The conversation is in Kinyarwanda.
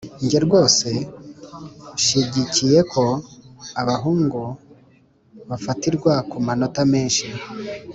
nge rwose nshigikiyeko abahungu bafatirwa ku manota menshi